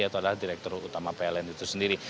atau adalah direktur utama pln itu sendiri